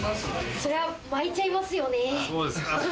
そりゃ巻いちゃいますよね。